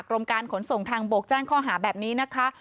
กรมการขนส่งทางบกแจ้งข้อหาแบบนี้นะคะ